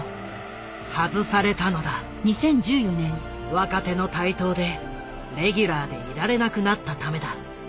若手の台頭でレギュラーでいられなくなったためだ。